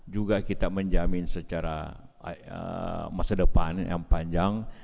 juga kita menjamin secara masa depan yang panjang